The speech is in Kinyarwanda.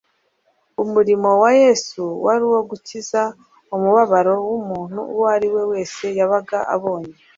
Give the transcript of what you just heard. Umurimo wa Yesu wari uwo gukiza umubabaro w'umuntu uwo ariwe wese yabaga abonye